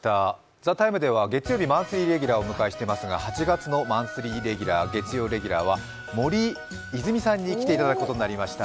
「ＴＨＥＴＩＭＥ，」では月曜日マンスリーレギュラーをお迎えしていますが８月のマンスリーレギュラー、月曜レギュラーは森泉さんに来ていただくことになりました。